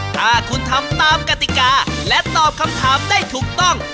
ถ้าคุณทำตามกติกาและตอบคำถามได้ถูกต้อง